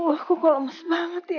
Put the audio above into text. aku kalah mas banget ya